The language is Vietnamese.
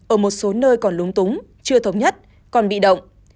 ở một số nơi còn lúng túng chưa thống nhất còn bị động